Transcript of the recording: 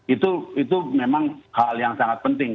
itu memang hal yang sangat penting